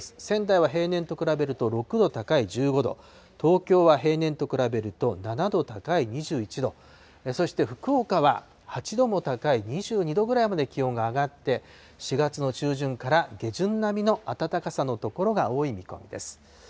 仙台は平年と比べると６度高い１５度、東京は平年と比べると７度高い２１度、そして福岡は８度も高い２２度ぐらいまで気温が上がって、４月の中旬から下旬並みの暖かさの所が多い見込みです。